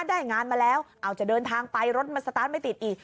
ได้งานมาแล้วเอาจะเดินทางไปรถมันสตาร์ทไม่ติดอีก